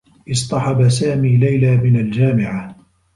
اصطحب سامي ليلى من الجامعة.